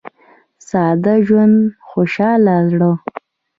• ساده ژوند، خوشاله زړه.